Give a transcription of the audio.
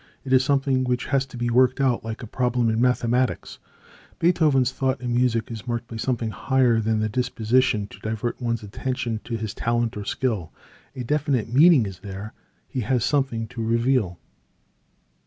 It is something which has to be worked out like a problem in mathematics. Beethoven's thought in music is marked by something higher than the disposition to divert one's attention to his talent or skill. A definite meaning is there; he has something to reveal.